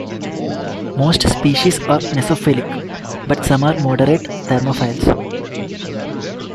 Most species are mesophilic, but some are moderate thermophiles.